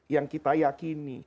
yang kita yakini